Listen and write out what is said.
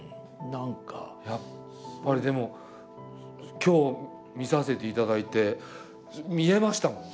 やっぱりでも今日見させていただいて見えましたもん。